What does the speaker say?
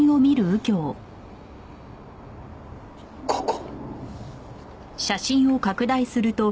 ここ。